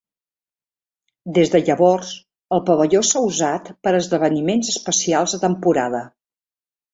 Des de llavors, el pavelló s'ha usat per a esdeveniments especials de temporada.